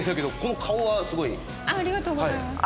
ありがとうございます。